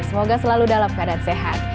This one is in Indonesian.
semoga selalu dalam keadaan sehat